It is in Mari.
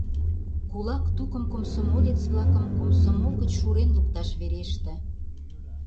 Кулак тукым комсомолец-влакым комсомол гыч шурен лукташ вереште.